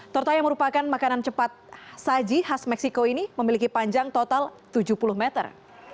torta yang merupakan makanan cepat saji khas meksiko ini memiliki panjang total tujuh puluh meter